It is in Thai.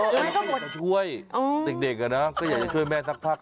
อย่างนี้ก็ช่วยเด็กนะก็อยากให้เธอแมนซักผ้า